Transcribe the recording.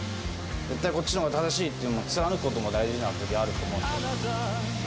絶対こっちのほうが正しいってことを貫くことも大事なときあると思ったので。